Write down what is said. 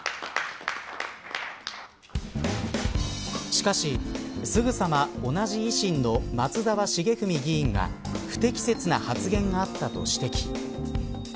しかし、すぐさま同じ維新の松沢成文議員が不適切な発言があったと指摘。